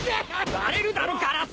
割れるだろガラス！